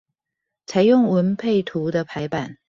採用文配圖的排版